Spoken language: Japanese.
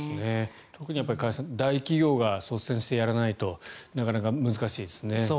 特に加谷さん大企業が率先してやらないとなかなか難しいですね。